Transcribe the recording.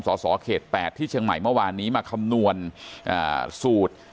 สสเขตแปดที่เชียงใหม่เมื่อวานนี้มาคำนวณท่านเองอ่าสูตร